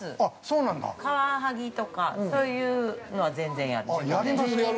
カワハギとかそういうのは全然やる。